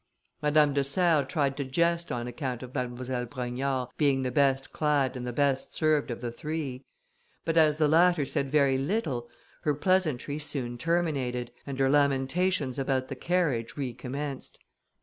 Madame de Serres tried to jest on account of Mademoiselle Brogniard being the best clad and the best served of the three; but as the latter said very little, her pleasantry soon terminated, and her lamentations about the carriage recommenced.